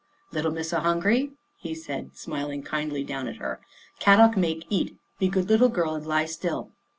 " Little Missa hungry," he said, smiling kindly down at her. " Kadok make eat. Be good little girl and lie still."